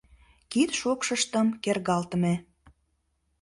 Кид шокшыштым кергалтыме.